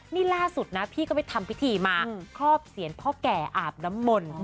นี่ล่าสุดนะพี่ก็ไปทำพิธีมาครอบเสียรพ่อแก่อาบน้ำมนต์